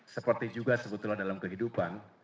seperti juga sebetulnya dalam kehidupan